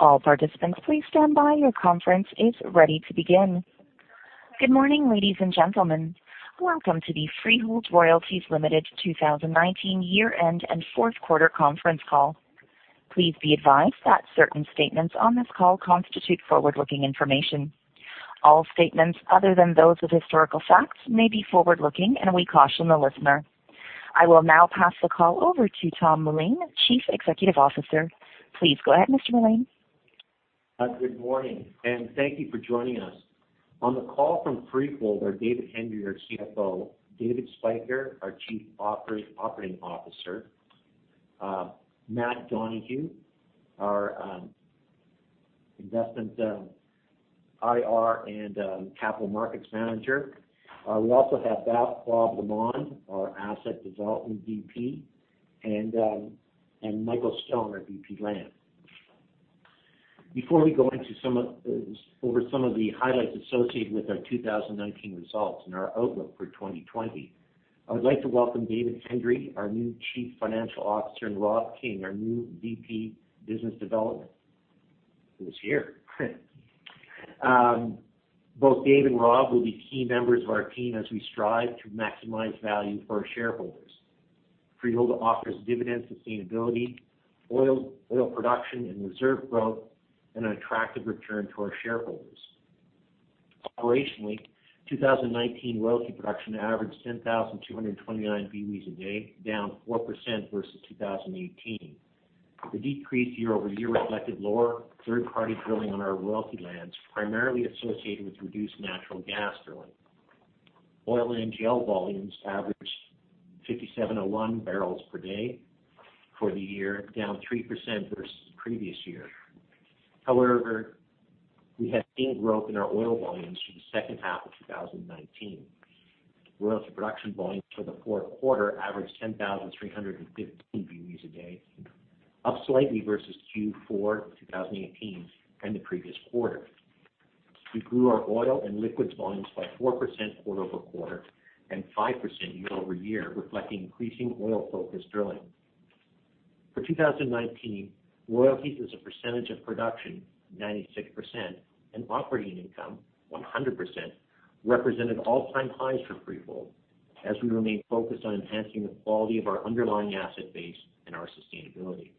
All participants, please stand by. Your conference is ready to begin. Good morning, ladies and gentlemen. Welcome to the Freehold Royalties Ltd. 2019 year-end and fourth quarter conference call. Please be advised that certain statements on this call constitute forward-looking information. All statements other than those of historical facts may be forward-looking, and we caution the listener. I will now pass the call over to Tom Mullane, Chief Executive Officer. Please go ahead, Mr. Mullane. Good morning, thank you for joining us. On the call from Freehold are David Hendry, our CFO, David Spyker, our Chief Operating Officer, Matt Donohue, our Investor Relations and Capital Markets Manager. We also have Valois Lamont, our Asset Development VP, and Michael Stone, our VP Land. Before we go over some of the highlights associated with our 2019 results and our outlook for 2020, I would like to welcome David Hendry, our new Chief Financial Officer, and Rob King, our new VP Business Development, who is here. Both Dave and Rob will be key members of our team as we strive to maximize value for our shareholders. Freehold offers dividend sustainability, oil production and reserve growth, and an attractive return to our shareholders. Operationally, 2019 royalty production averaged 10,229 BOEs a day, down 4% versus 2018. The decrease year-over-year reflected lower third-party drilling on our royalty lands, primarily associated with reduced natural gas drilling. Oil and NGL volumes averaged 5,701 bbl/d for the year, down 3% versus the previous year. However, we have seen growth in our oil volumes for the second half of 2019. Royalty production volumes for the fourth quarter averaged 10,315 BOEs a day, up slightly versus Q4 2018 and the previous quarter. We grew our oil and liquids volumes by 4% quarter-over-quarter and 5% year-over-year, reflecting increasing oil-focused drilling. For 2019, royalties as a percentage of production, 96%, and operating income, 100%, represented all-time highs for Freehold as we remain focused on enhancing the quality of our underlying asset base and our sustainability.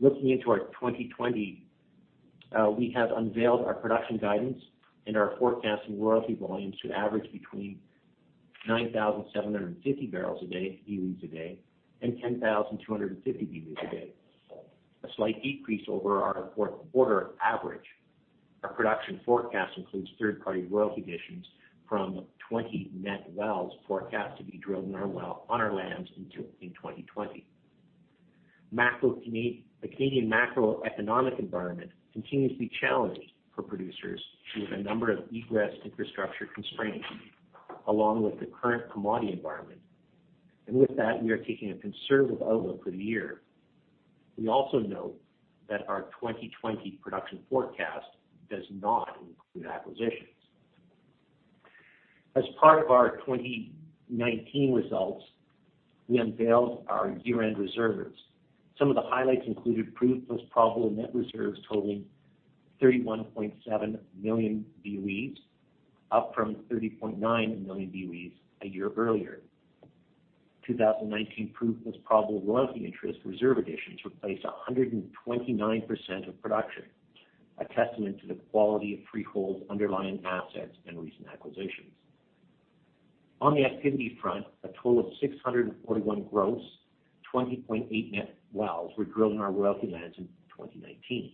Looking into our 2020, we have unveiled our production guidance and are forecasting royalty volumes to average between 9,750 BOEs a day and 10,250 BOEs a day, a slight decrease over our fourth quarter average. Our production forecast includes third-party royalty additions from 20 net wells forecast to be drilled on our lands in 2020. The Canadian macroeconomic environment continues to be challenging for producers due to a number of egress infrastructure constraints, along with the current commodity environment. With that, we are taking a conservative outlook for the year. We also note that our 2020 production forecast does not include acquisitions. As part of our 2019 results, we unveiled our year-end reserves. Some of the highlights included proved plus probable net reserves totaling 31.7 million BOEs, up from 30.9 million BOEs a year earlier. 2019 proved plus probable royalty interest reserve additions replaced 129% of production, a testament to the quality of Freehold's underlying assets and recent acquisitions. On the activity front, a total of 641 gross, 20.8 net wells were drilled in our royalty lands in 2019.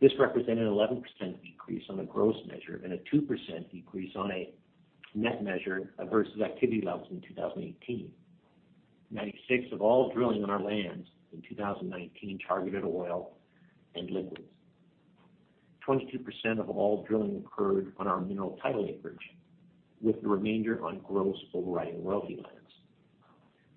This represented an 11% increase on a gross measure and a 2% decrease on a net measure versus activity levels in 2018. 96 of all drilling on our lands in 2019 targeted oil and liquids. 22% of all drilling occurred on our mineral title acreage, with the remainder on gross overriding royalty lands.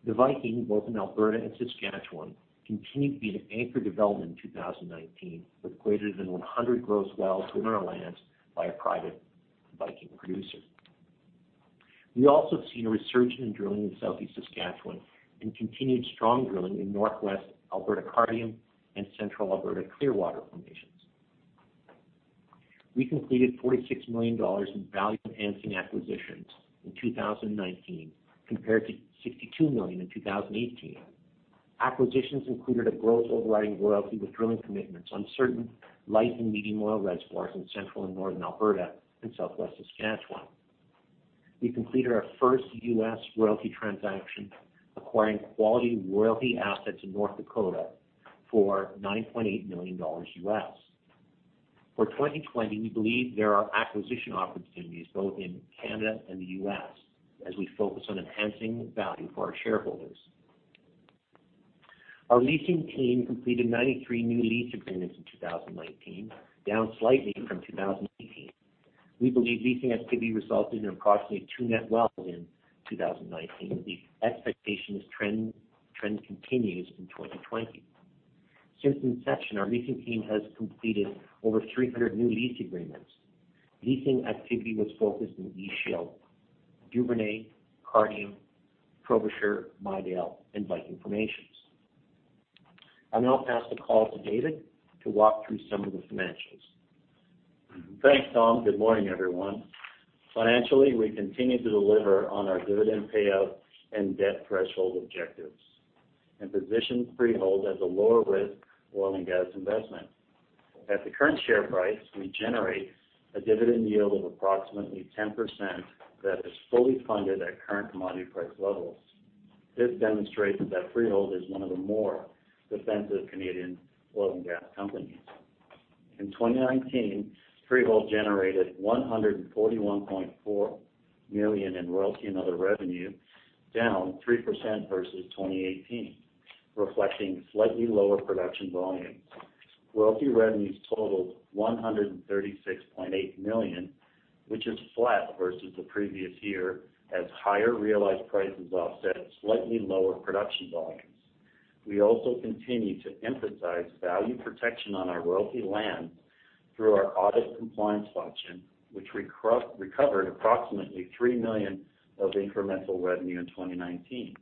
The Viking, both in Alberta and Saskatchewan, continued to be the anchor development in 2019, with greater than 100 gross wells within our lands by a private Viking producer. We also have seen a resurgence in drilling in southeast Saskatchewan and continued strong drilling in Northwest Alberta Cardium and Central Alberta Clearwater formations. We completed 46 million dollars in value-enhancing acquisitions in 2019, compared to 62 million in 2018. Acquisitions included a gross overriding royalty with drilling commitments on certain light and medium oil reservoirs in central and northern Alberta and southwest Saskatchewan. We completed our first U.S. royalty transaction, acquiring quality royalty assets in North Dakota for $9.8 million U.S. For 2020, we believe there are acquisition opportunities both in Canada and the U.S. as we focus on enhancing value for our shareholders. Our leasing team completed 93 new lease agreements in 2019, down slightly from 2018. We believe leasing activity resulted in approximately two net wells in 2019, and the expectation is trend continues in 2020. Since inception, our leasing team has completed over 300 new lease agreements. Leasing activity was focused in the East Shale Duvernay, Cardium, Frobisher, Midale, and Viking formations. I'll now pass the call to David to walk through some of the financials. Thanks, Tom. Good morning, everyone. Financially, we continue to deliver on our dividend payout and debt threshold objectives and position Freehold as a lower-risk oil and gas investment. At the current share price, we generate a dividend yield of approximately 10% that is fully funded at current commodity price levels. This demonstrates that Freehold is one of the more defensive Canadian oil and gas companies. In 2019, Freehold generated 141.4 million in royalty and other revenue, down 3% versus 2018, reflecting slightly lower production volumes. Royalty revenues totaled 136.8 million, which is flat versus the previous year as higher realized prices offset slightly lower production volumes. We also continue to emphasize value protection on our royalty land through our audit compliance function, which recovered approximately 3 million of incremental revenue in 2019.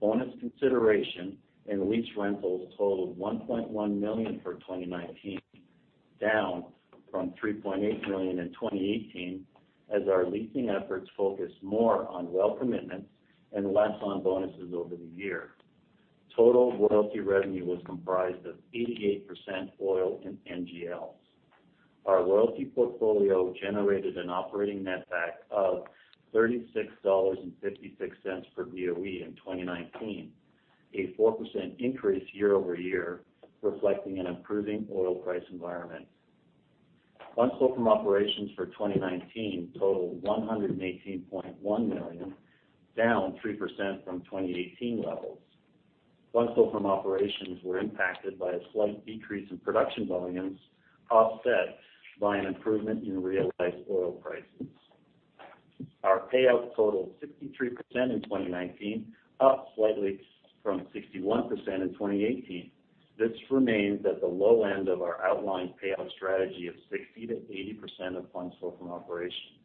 Bonus consideration and lease rentals totaled 1.1 million for 2019, down from 3.8 million in 2018 as our leasing efforts focused more on well commitments and less on bonuses over the year. Total royalty revenue was comprised of 88% oil and NGLs. Our royalty portfolio generated an operating netback of 36.56 dollars per BOE in 2019, a 4% increase year-over-year, reflecting an improving oil price environment. Funds flow from operations for 2019 totaled 118.1 million, down 3% from 2018 levels. Funds flow from operations were impacted by a slight decrease in production volumes, offset by an improvement in realized oil prices. Our payout totaled 63% in 2019, up slightly from 61% in 2018. This remains at the low end of our outlined payout strategy of 60%-80% of funds flow from operations.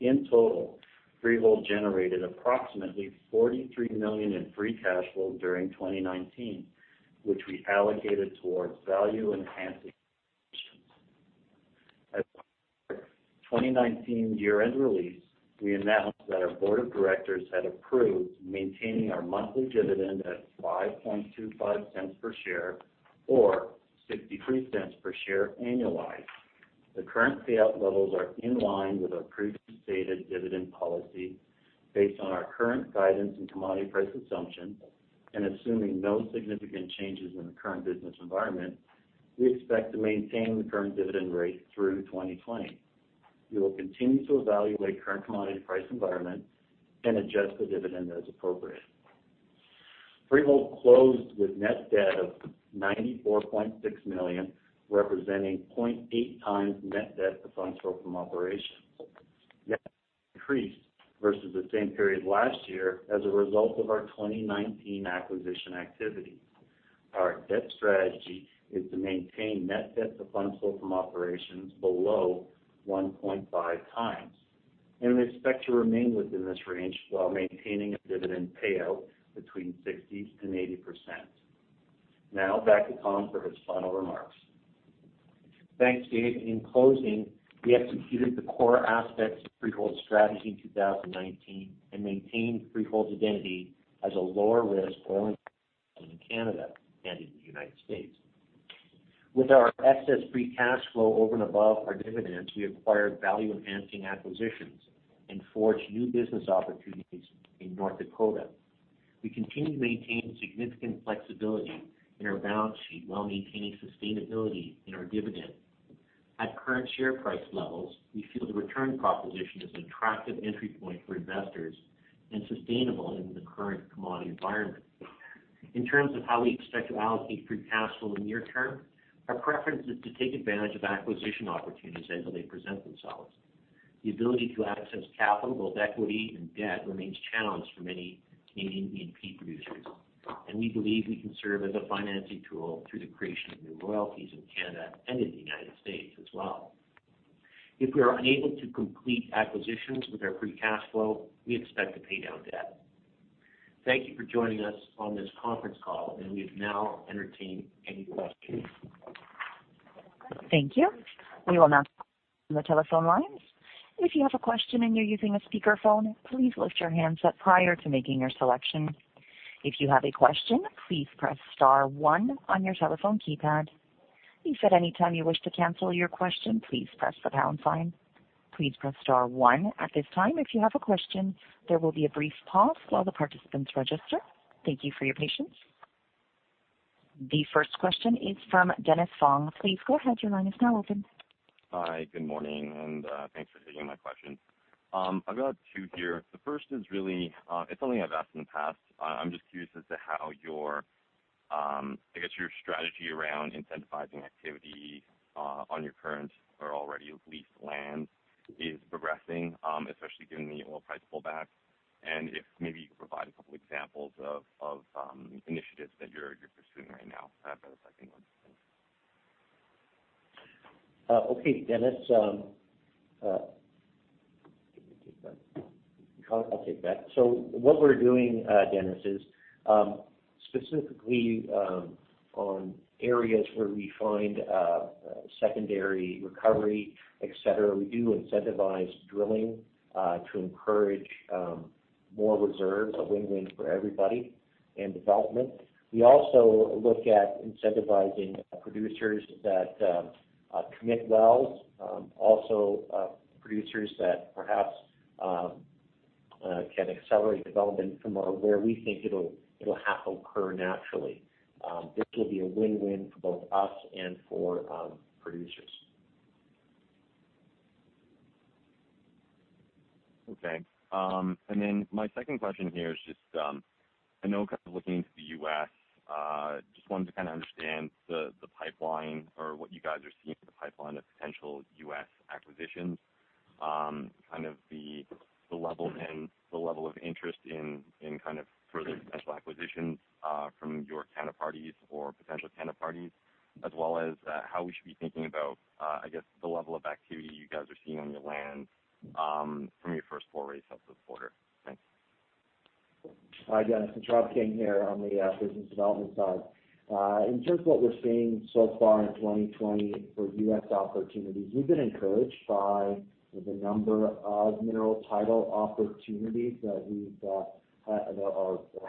In total, Freehold generated approximately 43 million in free cash flow during 2019, which we allocated towards value-enhancing acquisitions. As of our 2019 year-end release, we announced that our board of directors had approved maintaining our monthly dividend at 0.0525 per share or 0.63 per share annualized. The current payout levels are in line with our previously stated dividend policy based on our current guidance and commodity price assumptions, and assuming no significant changes in the current business environment, we expect to maintain the current dividend rate through 2020. We will continue to evaluate current commodity price environment and adjust the dividend as appropriate. Freehold closed with net debt of 94.6 million, representing 0.8x net debt to funds flow from operations. Debt increased versus the same period last year as a result of our 2019 acquisition activity. Our debt strategy is to maintain net debt to funds flow from operations below 1.5x. We expect to remain within this range while maintaining a dividend payout between 60% and 80%. Back to Tom for his final remarks. Thanks, Dave. In closing, we executed the core aspects of Freehold's strategy in 2019 and maintained Freehold's identity as a lower-risk oil and gas company in Canada and in the United States. With our excess free cash flow over and above our dividends, we acquired value-enhancing acquisitions and forged new business opportunities in North Dakota. We continue to maintain significant flexibility in our balance sheet while maintaining sustainability in our dividend. At current share price levels, we feel the return proposition is an attractive entry point for investors and sustainable in the current commodity environment. In terms of how we expect to allocate free cash flow in the near term, our preference is to take advantage of acquisition opportunities as they present themselves. The ability to access capital, both equity and debt, remains challenged for many Canadian E&P producers, and we believe we can serve as a financing tool through the creation of new royalties in Canada and in the United States as well. If we are unable to complete acquisitions with our free cash flow, we expect to pay down debt. Thank you for joining us on this conference call, and we'll now entertain any questions. Thank you. We will now open the telephone lines. If you have a question and you're using a speakerphone, please lift your handset prior to making your selection. If you have a question, please press star one on your telephone keypad. Please note at any time you wish to cancel your question, please press the pound sign. Please press star one at this time if you have a question. There will be a brief pause while the participants register. Thank you for your patience. The first question is from Dennis Fong. Please go ahead. Your line is now open. Hi. Good morning, thanks for taking my question. I've got two here. The first is really something I've asked in the past. I'm just curious as to how your strategy around incentivizing activity on your current or already leased land is progressing, especially given the oil price pullback, and if maybe you could provide a couple examples of initiatives that you're pursuing right now for the second one. Okay, Dennis. I'll take that. What we're doing, Dennis, is specifically on areas where we find secondary recovery, et cetera, we do incentivize drilling to encourage more reserves, a win-win for everybody, and development. We also look at incentivizing producers that commit wells, also producers that perhaps can accelerate development from where we think it'll have to occur naturally. This will be a win-win for both us and for producers. Okay. My second question here is just, I know, kind of looking into the U.S., just wanted to kind of understand the pipeline or what you guys are seeing for the pipeline of potential U.S. acquisitions. Kind of the level of interest in kind of further potential acquisitions from your counterparties or potential counterparties as well as how we should be thinking about, I guess, the level of activity you guys are seeing on your land from your first quarter results this quarter. Thanks. Hi, Dennis. It's Robert King here on the business development side. In terms of what we're seeing so far in 2020 for U.S. opportunities, we've been encouraged by the number of mineral title opportunities that we've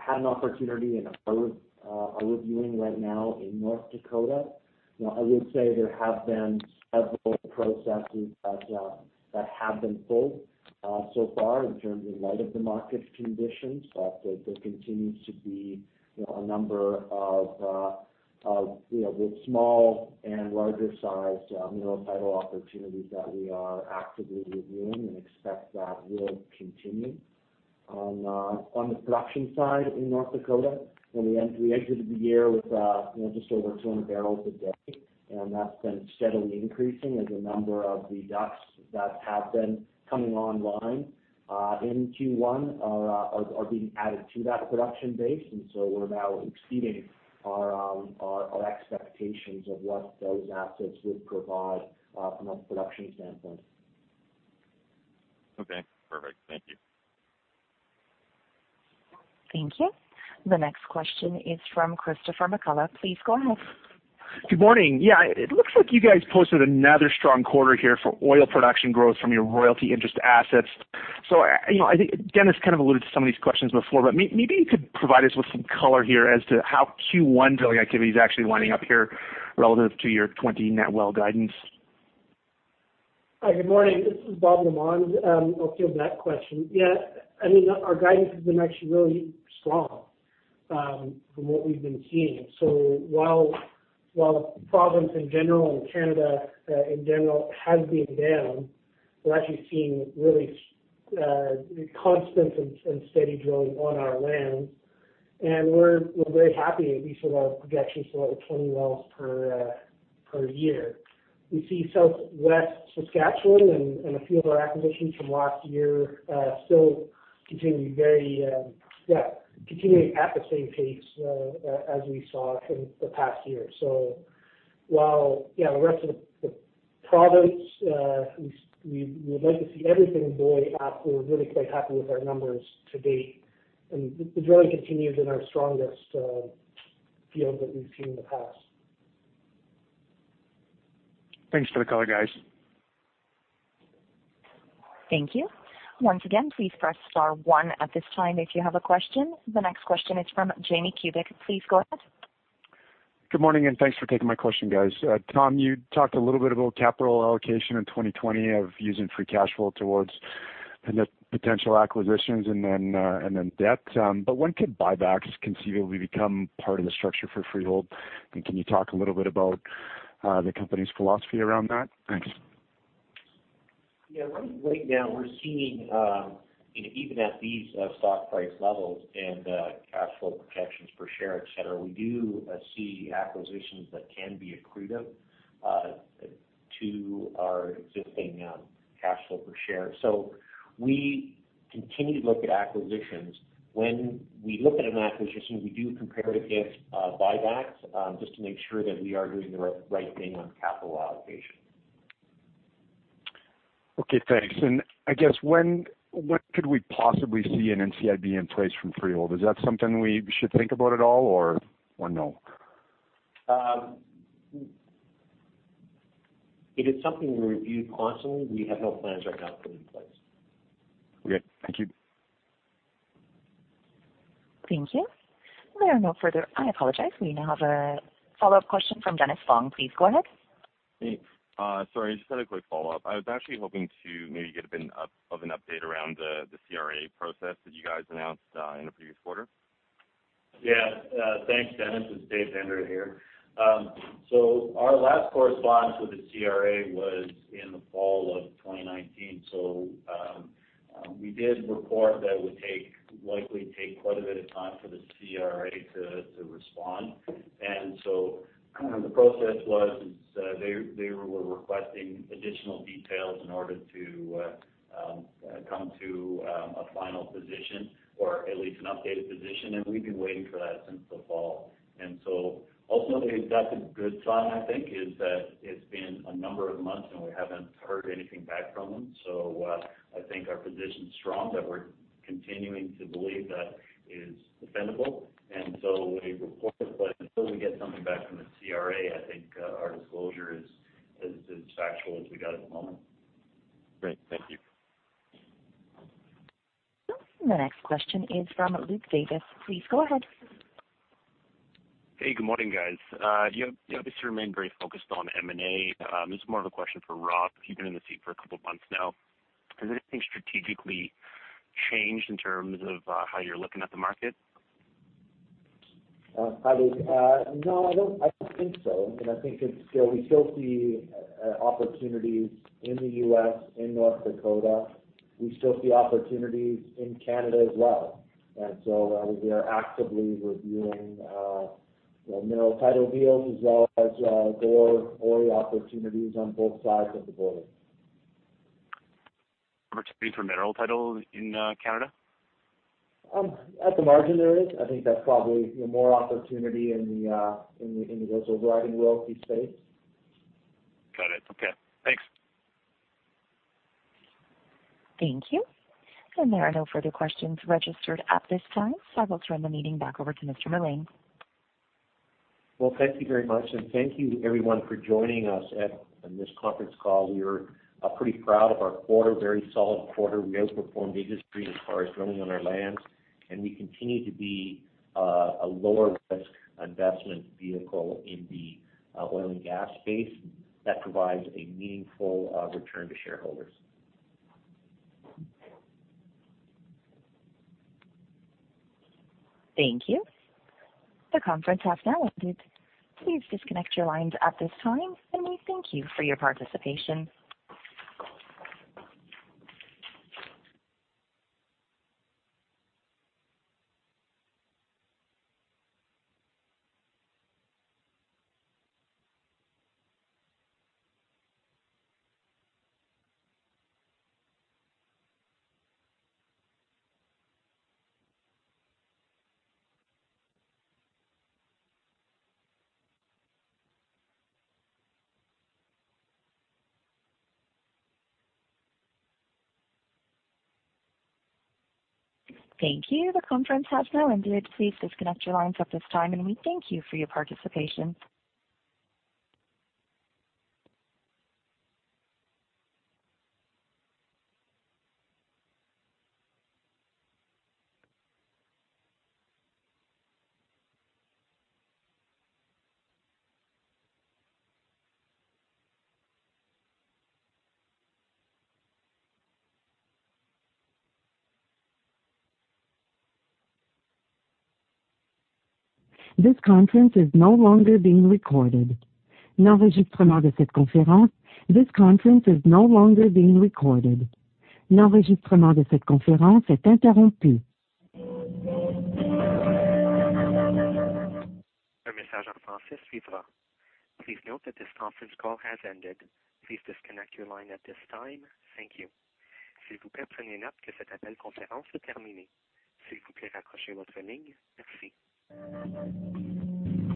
had an opportunity and are reviewing right now in North Dakota. I would say there have been several processes that have been pulled so far in terms in light of the market conditions. There continues to be a number of both small and larger sized mineral title opportunities that we are actively reviewing and expect that will continue. On the production side in North Dakota, when we exited the year with just over 200 barrels a day, and that's been steadily increasing as a number of the DUCs that have been coming online in Q1 are being added to that production base. We're now exceeding our expectations of what those assets would provide from a production standpoint. Okay, perfect. Thank you. Thank you. The next question is from Christopher McCullough. Please go ahead. Good morning. Yeah, it looks like you guys posted another strong quarter here for oil production growth from your royalty interest assets. I think Dennis kind of alluded to some of these questions before, but maybe you could provide us with some color here as to how Q1 drilling activity is actually winding up here relative to your '20 net well guidance. Hi, good morning. This is Bob Lamond. I'll field that question. Yeah, our guidance has been actually really strong from what we've been seeing. While the province in general, and Canada in general, has been down, we're actually seeing really constant and steady drilling on our lands. We're very happy. We saw our projections for over 20 wells per year. We see Southwest Saskatchewan and a few of our acquisitions from last year still continuing at the same pace as we saw in the past year. While the rest of the province, we would like to see everything buoy up, we're really quite happy with our numbers to date, and the drilling continues in our strongest field that we've seen in the past. Thanks for the color, guys. Thank you. Once again, please press star one at this time if you have a question. The next question is from Jamie Kubik. Please go ahead. Good morning. Thanks for taking my question, guys. Tom, you talked a little bit about capital allocation in 2020 of using free cash flow towards potential acquisitions and then debt. When could buybacks conceivably become part of the structure for Freehold? Can you talk a little bit about the company's philosophy around that? Thanks. Yeah. Right now we're seeing, even at these stock price levels and cash flow protections per share, et cetera, we do see acquisitions that can be accretive to our existing cash flow per share. We continue to look at acquisitions. When we look at an acquisition, we do compare it against buybacks just to make sure that we are doing the right thing on capital allocation. Okay, thanks. I guess when could we possibly see an NCIB in place from Freehold? Is that something we should think about at all or no? It is something we review constantly. We have no plans right now to put in place. Okay. Thank you. Thank you. I apologize. We now have a follow-up question from Dennis Fong. Please go ahead. Hey. Sorry, just had a quick follow-up. I was actually hoping to maybe get a bit of an update around the CRA process that you guys announced in a previous quarter. Yeah. Thanks, Dennis. It's Dave Hendry here. Our last correspondence with the CRA was in the fall of 2019. We did report likely take quite a bit of time for the CRA to respond. The process was they were requesting additional details in order to come to a final position, or at least an updated position, and we've been waiting for that since the fall. Ultimately, that's a good sign, I think, is that it's been a number of months and we haven't heard anything back from them. I think our position's strong, that we're continuing to believe that it is defendable. We report it, but until we get something back from the CRA, I think our disclosure is as factual as we got at the moment. Great. Thank you. The next question is from Luke Davis. Please go ahead. Hey, good morning, guys. You obviously remain very focused on M&A. This is more of a question for Rob. You've been in the seat for a couple of months now. Has anything strategically changed in terms of how you're looking at the market? Hi, Luke. No, I don't think so. We still see opportunities in the U.S., in North Dakota. We still see opportunities in Canada as well. We are actively reviewing mineral title deals as well as oil opportunities on both sides of the border. Opportunity for mineral title in Canada? At the margin, there is. I think that's probably more opportunity in the overriding royalty space. Got it. Okay. Thanks. Thank you. There are no further questions registered at this time. I will turn the meeting back over to Mr. Mullane. Well, thank you very much, and thank you everyone for joining us in this conference call. We are pretty proud of our quarter, very solid quarter. We outperformed the industry as far as drilling on our lands, and we continue to be a lower-risk investment vehicle in the oil and gas space that provides a meaningful return to shareholders. Thank you. The conference has now ended. Please disconnect your lines at this time, and we thank you for your participation. Thank you. The conference has now ended. Please disconnect your lines at this time, and we thank you for your participation. This conference is no longer being recorded. Please note that this conference call has ended. Please disconnect your line at this time. Thank you.